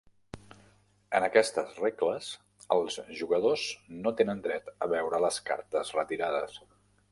En aquestes regles, els jugadors no tenen dret a veure les cartes retirades.